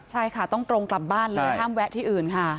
ใช่ค่ะต้องตรงกลับบ้านเลยห้ามแวะที่อื่นค่ะ